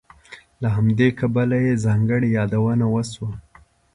له همدې کبله یې ځانګړې یادونه وشوه.